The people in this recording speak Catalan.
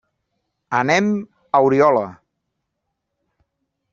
Anem a Oriola.